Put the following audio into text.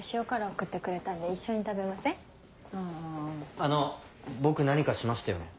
あの僕何かしましたよね。